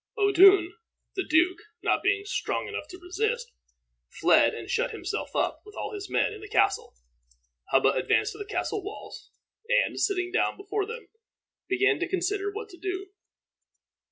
Odun, the duke, not being strong enough to resist, fled, and shut himself up, with all his men, in the castle. Hubba advanced to the castle walls, and, sitting down before them, began to consider what to do.